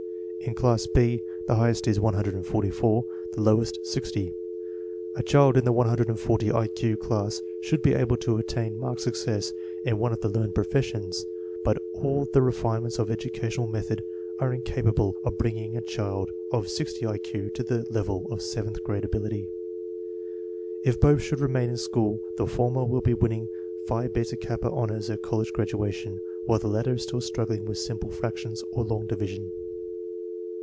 In class B the highest is 144; the lowest, 60. A child in the 140 1 Q class should be able to attain marked success in one of the learned professions, but all the refinements of educational method are incapable of bringing a child DIFFERENCES IN FIFTH GRADE CHILDREN 69 of 60 I Q to the level of seventh grade ability. If both should remain in school the former will be win ning Phi Beta Kappa honors at college graduation while the latter is still struggling with simple fractions or long division.